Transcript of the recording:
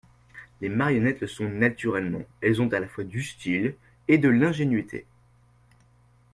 Les marionnettes le sont naturellement : elles ont à la fois du style et de l'ingénuité.